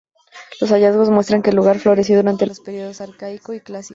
Los hallazgos muestran que el lugar floreció durante los periodos arcaico y clásico.